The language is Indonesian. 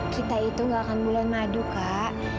kita itu gak akan bulan madu kak